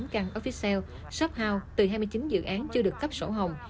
chín trăm một mươi tám căn office sale shop house từ hai mươi chín dự án chưa được cấp sổ hồng